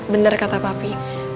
bener kata papi